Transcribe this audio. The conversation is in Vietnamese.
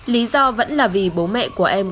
lý do vẫn là vì bố mẹ của em